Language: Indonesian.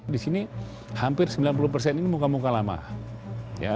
di sini hampir sembilan puluh persen ini muka muka lama